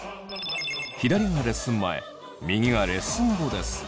左がレッスン前右がレッスン後です。